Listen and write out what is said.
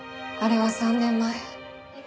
あれは３年前。